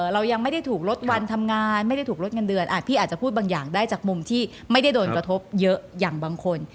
เรายังไม่ได้ถูกลดวันทำงานไม่ได้ถูกลดเงินเดือนพี่อาจจะพูดบางอย่างได้จากมุมที่ไม่ได้โดนกระทบเยอะอย่างบางคน